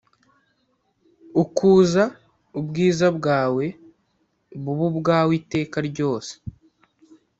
Ukuza ubwiza bwawe bube ubwawe iteka ryose